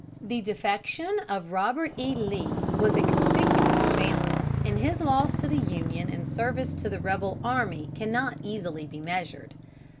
The defection of Robert E. Lee was a conspicuous example, and his loss to the Union and service to the rebel army cannot easily be measured.